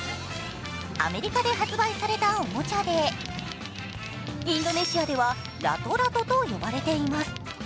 アメリカで発売されたおもちゃでインドネシアではラトラトと呼ばれています。